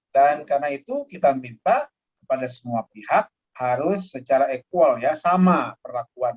karena itu kita minta kepada semua pihak harus secara equal ya sama perlakuan